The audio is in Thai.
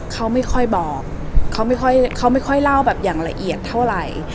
เขาไม่ค่อยบอกเขาไม่ค่อยเล่าแบบอย่างละเอียดเท่าไหร่